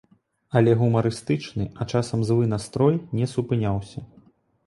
Але гумарыстычны, а часам злы настрой не супыняўся.